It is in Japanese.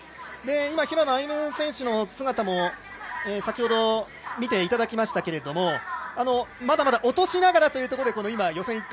今、平野歩夢選手の姿も先ほど見ていただきましたけどまだまだ落としながらというところで予選